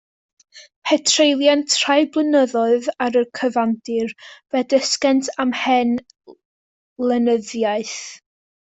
Pe treulient rai blynyddoedd ar y Cyfandir, fe ddysgent am hen lenyddiaeth.